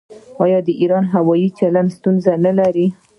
آیا د ایران هوايي چلند ستونزې نلري؟